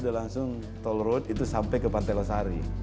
sudah langsung tol road itu sampai ke pantai losari